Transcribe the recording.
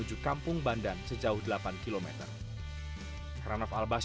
cukup murah ya pak terima kasih